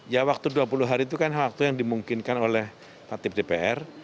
ya waktu dua puluh hari itu kan waktu yang dimungkinkan oleh tatip dpr